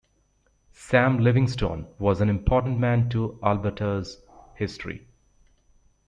Sam Livingston was an important man to Alberta's history.